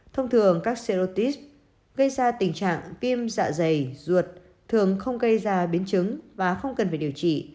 thông thường các celotis gây ra tình trạng tim dạ dày ruột thường không gây ra biến chứng và không cần phải điều trị